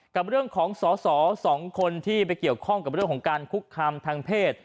กับเรื่องของสอสอ๒คนที่ไปเกี่ยวข้องกับเรื่องของการคุกคามทางเพศ